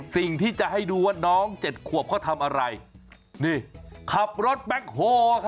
สิ่งที่จะให้ดูว่าน้องเจ็ดขวบเขาทำอะไรนี่ขับรถแบ็คโฮ